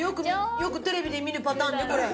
よくテレビで見るパターンねこれ。